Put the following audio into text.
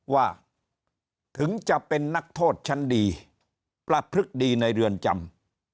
ว่าถึงจะเป็นนักโทษชั้นดีประพฤกษ์ดีในเรือนจำ